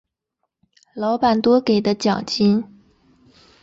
老板多给的奖金